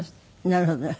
なるほど。